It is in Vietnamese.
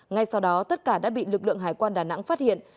ngay sau đó tất cả đã bị lực lượng hải quan đà nẵng phát hiện